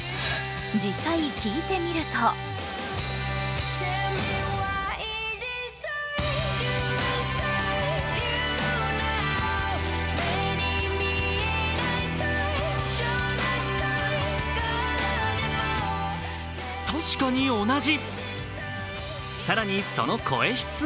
実際聴いてみると確かに同じ。